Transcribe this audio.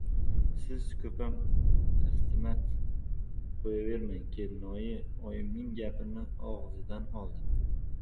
— Siz ko‘pam ixtimat qo‘yavermang! — Kelinoyi oyimning gapini og‘zidan oldi.